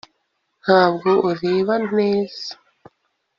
Ntabwo ureba neza